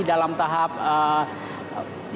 dalam tahap yang masih